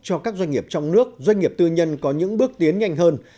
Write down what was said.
cho các doanh nghiệp trong nước doanh nghiệp tư nhân có những bước tiến nhanh hơn